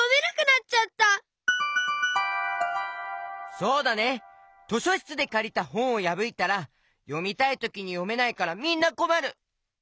そうだね！としょしつでかりたほんをやぶいたらよみたいときによめないからみんなこまる！